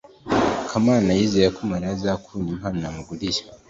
kamana yizeye ko mariya azakunda impano yamuguriye